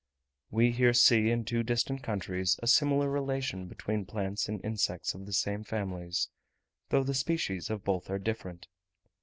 We here see in two distant countries a similar relation between plants and insects of the same families, though the species of both are different.